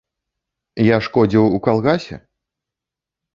Я шкодзіў у калгасе?